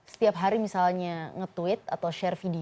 setiap hari misalnya nge tweet atau share video